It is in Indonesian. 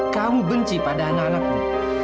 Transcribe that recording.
kamu benci pada anak anakku